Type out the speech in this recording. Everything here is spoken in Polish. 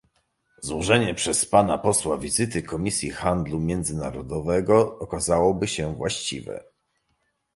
Złożenie przez pana posła wizyty Komisji Handlu Międzynarodowego okazałoby się właściwe